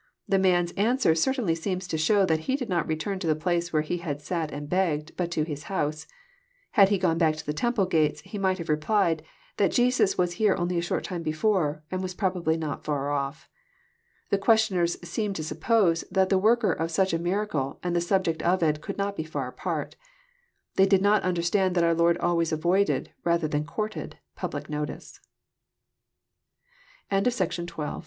The man's an swer certainly seems to show that he did not return to the place where he had sat and begged, but to his house. Had he gone back to the temple gates, he might have replied, that Jesus was here only a short time before, and was probably not far off. The questioners seem to suppose that the worker of such a miracle and the subject of it could not be far apart. They did not understand that our Lord always avoided, rather than courtedf public notice. JOHN IX.